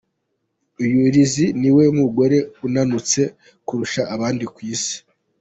Uyu Lizzie niwe mugore unanutse kurusha abandi ku isi.